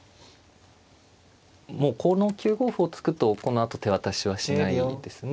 もうこの９五歩を突くとこのあと手渡しはしないですね。